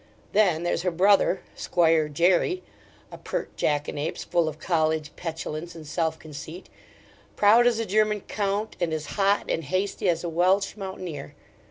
Then there's her brother, 'squire Jery, a pert jackanapes, full of college petulance and self conceit; proud as a German count, and as hot and hasty as a Welch mountaineer.